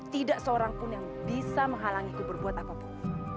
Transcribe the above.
tidak seorang pun yang bisa menghalangi ku berbuat apapun